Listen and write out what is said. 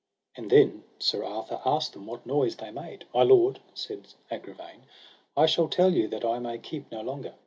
And then Sir Arthur asked them what noise they made. My lord, said Agravaine, I shall tell you that I may keep no longer.